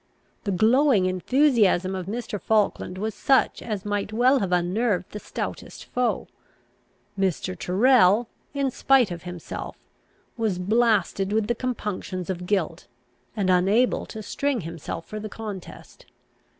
The glowing enthusiasm of Mr. Falkland was such as might well have unnerved the stoutest foe. Mr. Tyrrel, in spite of himself, was blasted with the compunctions of guilt, and unable to string himself for the contest.